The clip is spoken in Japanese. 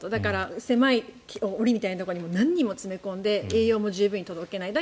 狭い檻みたいなところに何人も詰め込んで栄養も十分届けない。